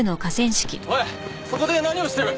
おいそこで何をしてる？